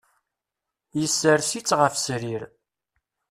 Yessers-itt ɣef srir.